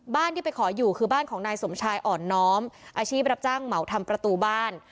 ที่ไปขออยู่คือบ้านของนายสมชายอ่อนน้อมอาชีพรับจ้างเหมาทำประตูบ้าน